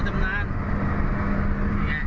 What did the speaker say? ดูเนี่ย